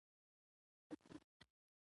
د ملالۍ کردار به څرګندېدلی وو.